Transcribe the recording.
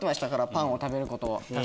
パンを食べることを。